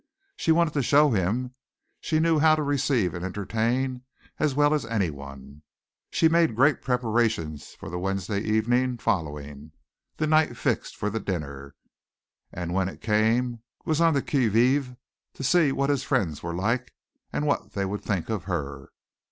She wanted to show him she knew how to receive and entertain as well as anyone. She made great preparations for the Wednesday evening following the night fixed for the dinner and when it came was on the qui vive to see what his friends were like and what they would think of her.